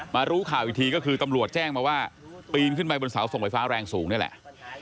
รู้ข่าวอีกทีก็คือตำรวจแจ้งมาว่าปีนขึ้นไปบนเสาส่งไฟฟ้าแรงสูงนี่แหละ